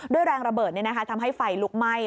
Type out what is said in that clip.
ด้วยแรงระเบิดเนี่ยนะคะทำให้ไฟลุกไหม้